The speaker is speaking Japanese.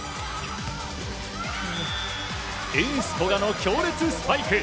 エース、古賀の強烈スパイク。